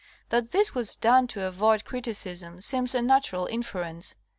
That this was done to avoid criticism seems a natural inference.